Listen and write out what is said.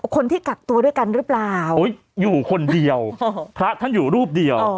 คนที่กักตัวด้วยกันหรือเปล่าอยู่คนเดียวพระท่านอยู่รูปเดียว